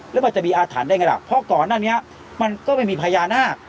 แล้วมันจะมีอาถรรพ์ได้ไงล่ะเพราะก่อนหน้านี้มันก็ไม่มีพญานาค